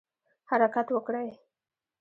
حرکت وکړئ